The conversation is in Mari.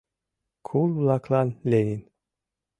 Кул-влаклан Ленин